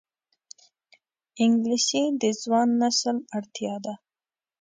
انګلیسي د ځوان نسل اړتیا ده